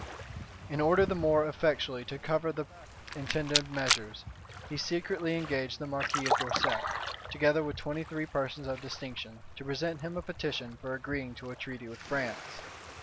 In order the more effectually to cover the intended measures, he secretly engaged the marquis of Dorset, together with twenty three persons of distinction, to present him a petition for agreeing to a treaty with France.